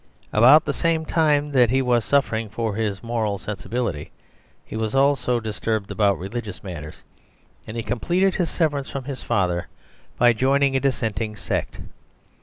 About the same time that he was suffering for his moral sensibility he was also disturbed about religious matters, and he completed his severance from his father by joining a dissenting sect.